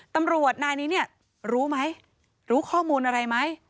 ตำรวจนายนี้เนี่ยรู้ไหมรู้ข้อมูลอะไรไหม